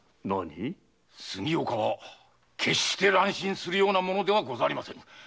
杉岡は決して乱心するような者ではござりませぬ。